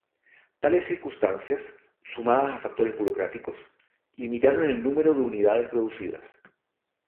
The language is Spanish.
Tales circunstancias, sumadas a factores burocráticos, limitaron el número de unidades producidas.